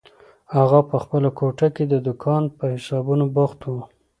اغا په خپله کوټه کې د دوکان په حسابونو بوخت و.